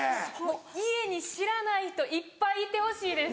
家に知らない人いっぱいいてほしいです。